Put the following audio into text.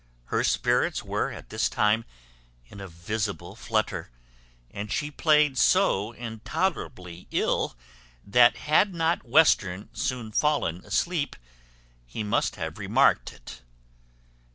Her spirits were at this time in a visible flutter; and she played so intolerably ill, that had not Western soon fallen asleep, he must have remarked it.